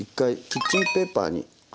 キッチンペーパーに。